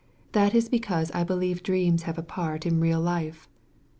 That is because I beUeve dreams have a part in real life.